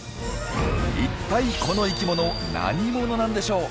一体この生き物何者なんでしょう？